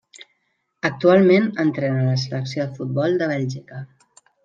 Actualment entrena la selecció de futbol de Bèlgica.